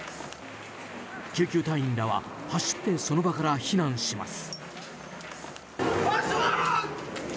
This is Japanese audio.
救急隊員らは走ってその場から避難します。